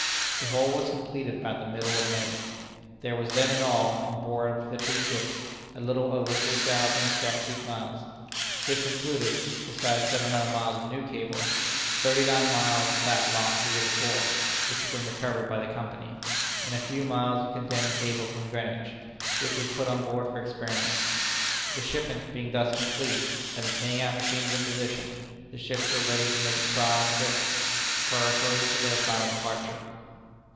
The whole was completed about the middle of May. There was then in all, on board the two ships, a little over three thousand statute miles. This included, besides seven hundred miles of new cable, thirty nine miles of that lost the year before, which had been recovered by the Company, and a few miles of condemned cable from Greenwich, which was put on board for experiments. The shipment being thus complete, and the paying out machines in position, the ships were ready to make a trial trip, preparatory to their final departure.